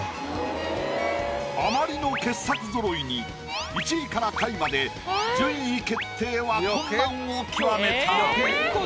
あまりの傑作ぞろいに１位から下位まで順位決定は困難を極めた。